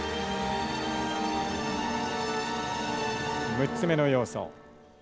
６つ目の要素。